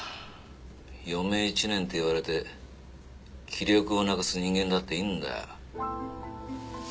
余命１年って言われて気力をなくす人間だっているんだよ。